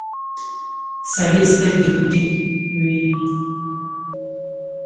سړي سترګې پټې وې.